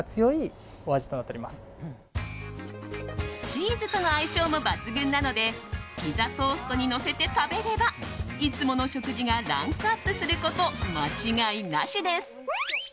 チーズとの相性も抜群なのでピザトーストにのせて食べればいつもの食事がランクアップすること間違いなしです。